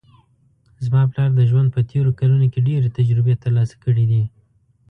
زما پلار د ژوند په تېرو کلونو کې ډېر تجربې ترلاسه کړې ده